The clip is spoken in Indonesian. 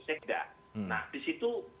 sekedar nah disitu